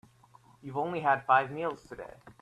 You've only had five meals today.